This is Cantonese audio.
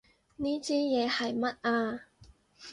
呢支嘢係乜啊？